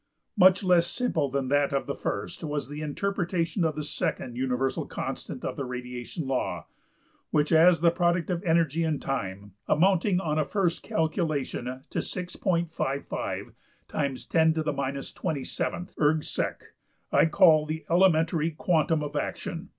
Much less simple than that of the first was the interpretation of the second universal constant of the radiation law, which, as the product of energy and time (amounting on a first calculation to $6.55 \cdot 10^{ 27}$ erg$\cdot$sec.) I called the elementary quantum of action.